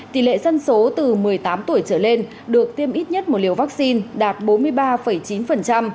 tỷ lệ dân số từ một mươi tám tuổi trở lên được tiêm ít nhất một liều vaccine đạt bốn mươi ba chín